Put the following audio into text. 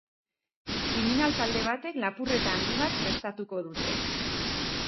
Kriminal talde batek lapurreta handi bat prestatuko dute.